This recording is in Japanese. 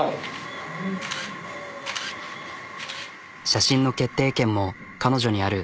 写真の決定権も彼女にある。